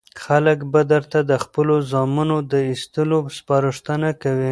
خلک به درته د خپلو زامنو د ایستلو سپارښتنه کوي.